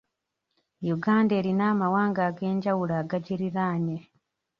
Uganda erina amawanga ag'enjawulo agagiriraanye.